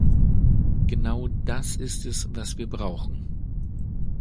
Genau das ist es, was wir brauchen.